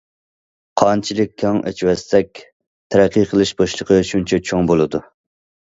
قانچىلىك كەڭ ئېچىۋەتسەك تەرەققىي قىلىش بوشلۇقى شۇنچە چوڭ بولىدۇ.